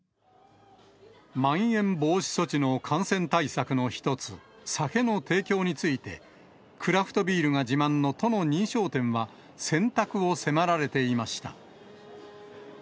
まん延防止措置の感染対策の一つ、酒の提供について、クラフトビールが自慢の都の認証店は、選択を迫られていました。